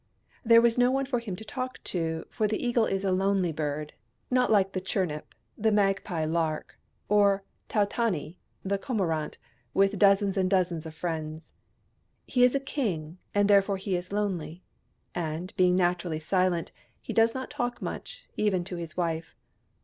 There was no one for him to talk to, for the Eagle is a lonely bird — not like Chirnip, the Magpie Lark, or Tautani, the Cormorant, with dozens and dozens of friends. He is a king, and therefore he is lonely : and, being naturally silent, he does not talk much, even to his wife.